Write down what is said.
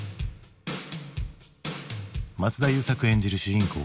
松田優作演じる主人公